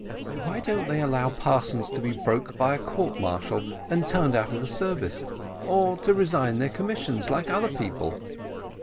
"Why don't they allow parsons to be broke by a court martial, and turned out of the service, or to resign their commissions, like other people?"